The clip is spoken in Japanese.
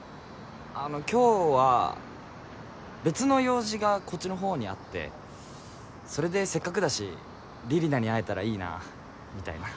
あの今日は別の用事がこっちのほうにあってそれでせっかくだし李里奈に会えたらいいなみたいな。